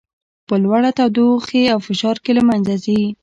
په لوړه تودوخې او فشار کې له منځه ځي.